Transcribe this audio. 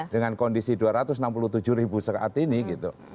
dengan kondisi dua ratus enam puluh tujuh ribu saat ini gitu